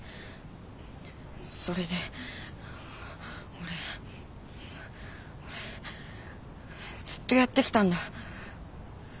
それで俺俺ずっとやってきたんだ。